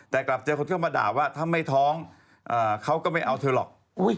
แต่กลับเจอคนเข้ามาด่าว่าถ้าไม่ท้องเขาก็ไม่เอาเธอหรอก